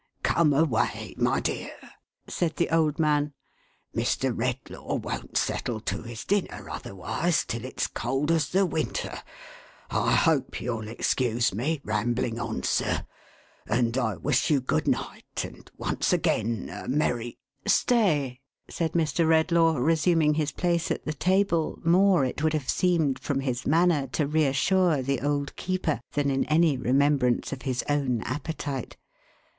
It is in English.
" Come away, my dear," said the old man. " Mr. Redlaw won't settle to his dinner, otherwise, till it's cold as the winter. I hope you'll excuse me rambling on, sir, and I wish you good night, and, once again, a merry —"" Stay !" said Mr. Redlaw, resuming his place at the table, more, it would have seemed from his manner, to reassure the old keeper, than in any remembrance of his own appetite.